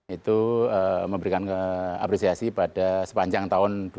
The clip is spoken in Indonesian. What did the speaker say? itu memberikan apresiasi pada sepanjang tahun dua ribu dua puluh